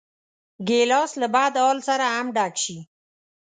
ګیلاس له بدحال سره هم ډک شي.